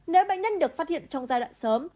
nếu bệnh nhân được phát hiện trong giai đoạn sớm